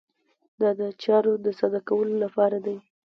دا د چارو د ساده کولو لپاره دی.